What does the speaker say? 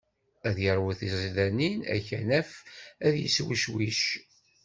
Ad yeṛwu tiẓidanin, akanaf ad yeswecwic.